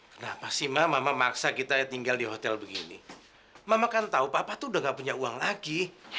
kenapa sih mak mama maksa kita tinggal di hotel begini mama kan tahu papa tuh udah gak punya uang lagi